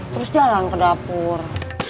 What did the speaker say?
terus jalan ke dapur